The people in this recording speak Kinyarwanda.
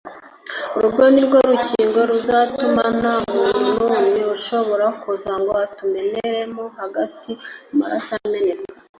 urwo nirwo rukingo ruzatuma nta muntu n’umwe ushobora kuza ngo atumeneremo hagire amaraso ameneka